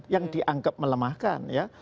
yang dianggap melemahkan ya